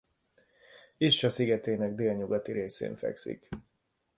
Ischia szigetének délnyugati részén fekszik.